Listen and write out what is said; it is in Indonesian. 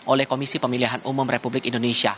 oleh komisi pemilihan umum republik indonesia